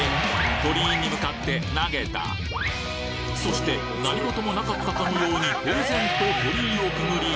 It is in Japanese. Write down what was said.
鳥居に向かってそして何事もなかったかのように平然と鳥居をくぐり